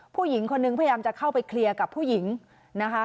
ผู้หญิงคนนึงพยายามจะเข้าไปเคลียร์กับผู้หญิงนะคะ